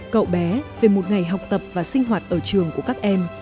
cậu bé về một ngày học tập và sinh hoạt ở trường của các em